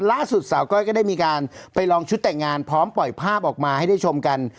ล่าสุดสาวก้อยก็ได้มีการไปลองชุดแต่งงานพร้อมปล่อยภาพออกมาให้ได้ชมกัน